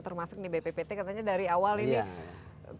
termasuk nih bppt katanya dari awal ini